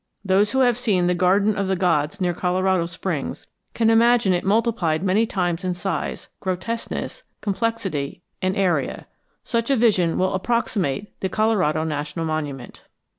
Those who have seen the Garden of the Gods near Colorado Springs can imagine it multiplied many times in size, grotesqueness, complexity, and area; such a vision will approximate the Colorado National Monument.